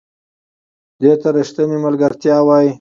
دې ته ریښتینې ملګرتیا وایي .